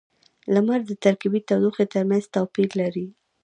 • لمر د ترکيبی تودوخې ترمینځ توپیر لري.